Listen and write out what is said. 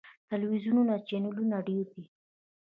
ټلویزیوني چینلونه ډیر دي.